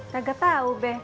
gak tau be